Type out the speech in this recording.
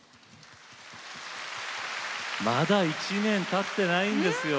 まだ１年たってないんですよ。